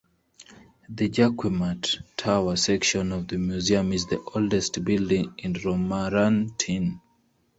The Jacquemart Tower section of the museum is the oldest building in Romorantin.